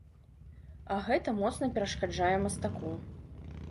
А гэта моцна перашкаджае мастаку.